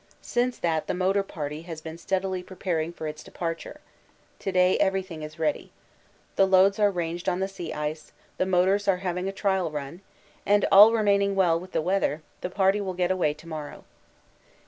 Since that the Motor Party has been steadily preparing for its departure. To day everything is ready. The loads are ranged on the sea ice, the motors are having a trial run, and, all remaining well with the weather, the party will get away to morrow.